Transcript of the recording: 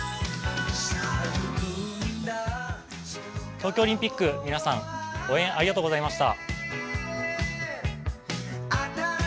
東京オリンピック、皆さん応援ありがとうございました。